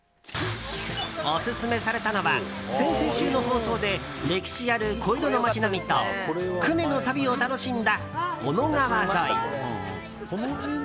オススメされたのは先々週の放送で歴史ある小江戸の街並みと舟の旅を楽しんだ小野川沿い。